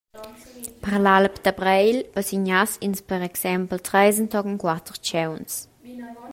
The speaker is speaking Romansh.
Per l’alp da Breil basignass ins per exempel treis entochen quater tgauns.